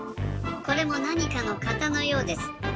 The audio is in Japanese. これもなにかの型のようです。